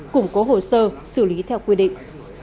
củng cố hồ sơ xử lý theo quy định